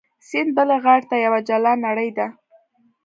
سیند بلې غاړې ته یوه جلا نړۍ ده.